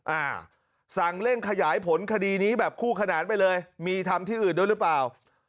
อ่าสั่งเร่งขยายผลคดีนี้แบบคู่ขนานไปเลยมีทำที่อื่นด้วยหรือเปล่า